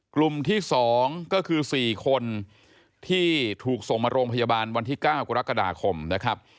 กลุ่มที่๒ก็คือ๔คนที่ถูกส่งมาโรงพยาบาลวันที่๙กรกฎาคมนะครับ